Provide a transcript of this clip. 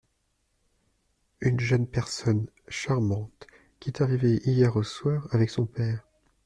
Une jeune personne charmante… qui est arrivée hier au soir avec son père…